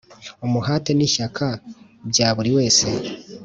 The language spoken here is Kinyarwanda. umuhate n’ishyaka bya buri wese